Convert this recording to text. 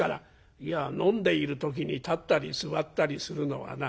「いや飲んでいる時に立ったり座ったりするのはな